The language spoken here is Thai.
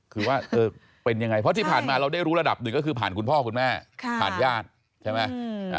คือว่าเป็นยังไงเพราะที่ผ่านมาเราได้รู้ระดับหนึ่งก็คือผ่านคุณพ่อคุณแม่ผ่านญาติใช่ไหม